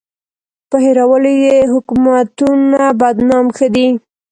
په هېرولو یې حکومتونه بدنام ښه دي.